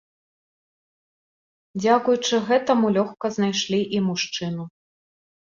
Дзякуючы гэтаму лёгка знайшлі і мужчыну.